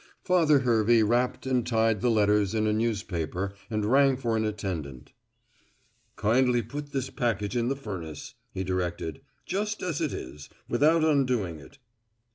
Father Hervey wrapped and tied the letters in a newspaper and rang for an attendant. "Kindly put this package in the furnace," he directed, "just as it is, without undoing it."